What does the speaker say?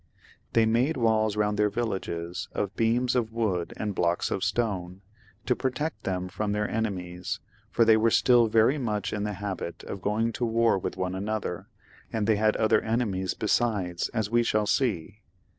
They made walls round their villages of beams of wood and blocks of stone, to protect them from their ANCIENT GA UL. [CH. enemies, for they were still very much in the habit of going to war with one another, and they had other enemies besides, as we shall see.